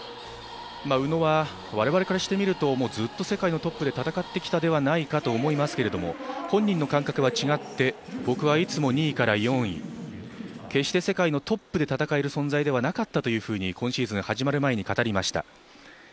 宇野は我々からしてみるとずっと世界のトップで戦ってきたではないかと思いますけれども本人の感覚は違って僕はいつも２位から４位決して、世界のトップで戦える存在ではなかったと今シーズン始まる前に語りました。